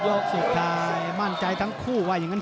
หรือว่าผู้สุดท้ายมีสิงคลอยวิทยาหมูสะพานใหม่